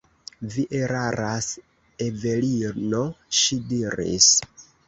Vi eraras, Evelino, ŝi diris.